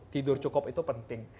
tidur cukup itu penting